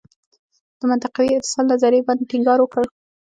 د منطقوي اتصال نظریې باندې ټینګار وکړ.